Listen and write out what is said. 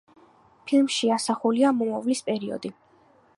ფილმში ასახულია მომავლის პერიოდი.